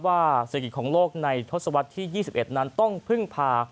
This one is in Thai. ว่าศีลฯของโลกในทศวรรษที่ยี่สิบเอ็ดนั้นต้องพึ่งพา